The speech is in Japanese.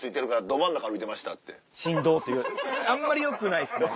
神道というあんまりよくないっすね。